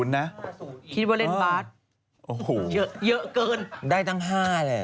๕๐นะคิดว่าเล่นบาร์ดเยอะเกินได้ตั้ง๕แหละ